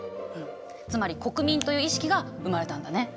つまり国民という意識が生まれたんだね。